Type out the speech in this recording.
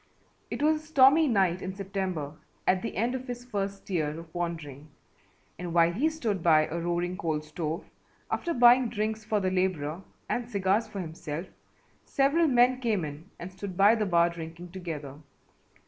It was a stormy night in September at the end of his first year of wandering and while he stood by a roaring coal stove, after buying drinks for the labourer and cigars for himself, several men came in and stood by the bar drinking together.